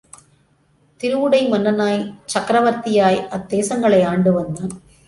திருவுடை மன்னனாய் சக்கிரவர்த்தியாய் அத்தேசங்களை ஆண்டு வந்தான்.